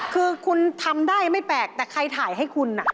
คือคุณทำได้ไม่แปลกแต่ใครถ่ายให้คุณ